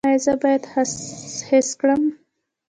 ایا زه باید حس کړم؟